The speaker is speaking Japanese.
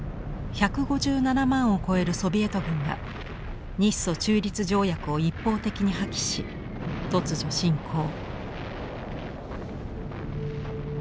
１５７万を超えるソビエト軍が日ソ中立条約を一方的に破棄し突如侵攻。